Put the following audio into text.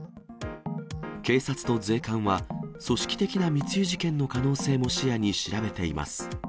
警察と税関は、組織的な密輸事件の可能性も視野に調べています。